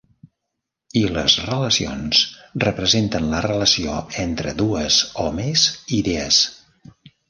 I les relacions representen la relació entre dues o més idees.